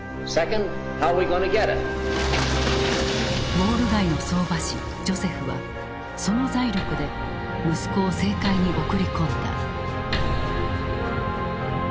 ウォール街の相場師ジョセフはその財力で息子を政界に送り込んだ。